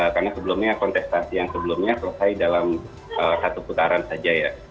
karena sebelumnya kontestasi yang sebelumnya selesai dalam satu putaran saja ya